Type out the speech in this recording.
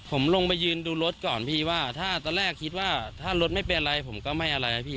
ผมลงไปยืนดูรถก่อนพี่ว่าถ้าตอนแรกคิดว่าถ้ารถไม่เป็นอะไรผมก็ไม่อะไรนะพี่